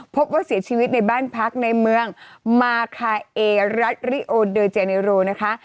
พบว่าเสียชีวิตในบ้านพักในเมืองมาคาเอรัฐริโอเดอร์เจเนโรนะคะ